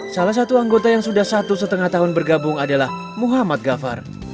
salah satu anggota yang sudah satu setengah tahun bergabung adalah muhammad gafar